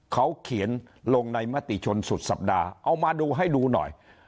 เขาเขียนลงในมติชนสุดสัปดาห์เอามาดูให้ดูหน่อย